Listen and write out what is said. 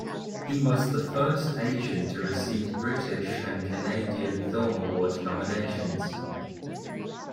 He was the first Asian to receive British and Canadian film award nominations.